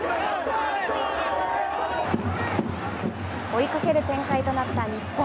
追いかける展開となった日本。